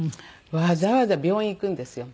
わざわざ病院に行くんですよ。